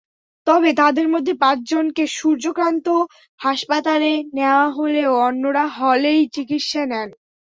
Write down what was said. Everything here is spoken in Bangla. তবে তাঁদের মধ্যে পাঁচজনকে সূর্যকান্ত হাসপাতালে নেওয়া হলেও অন্যরা হলেই চিকিৎসা নেন।